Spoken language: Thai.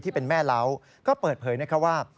ที่เป็นแม่เล้าก็เปิดเผยนะคะว่า